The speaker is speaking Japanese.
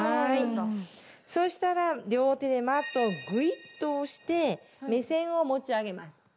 そしたら両手でマットをぐいっと押して目線を持ち上げます。